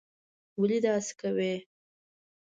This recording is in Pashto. ولي داسې کوې?